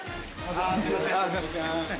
あすいません。